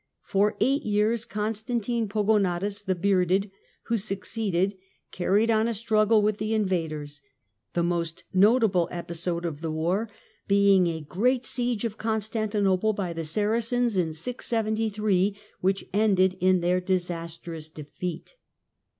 For eight Constan years Constantine Pogonatus (the bearded), who suc "Pogo ceeded, carried on a struggle with the invaders — the 668 678 most notable episode of the war being a great siege of Constantinople by the Saracens, in 673, which ended in their disastrous defeat.